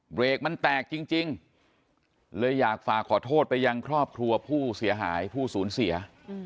เบรกมันแตกจริงเลยอยากฝากขอโทษไปยังครอบครัวผู้เสียหายผู้สูญเสีย